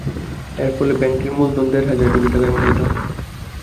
এর ফলে ব্যাংকটির মূলধন দেড় হাজার কোটি টাকায় উন্নীত হবে।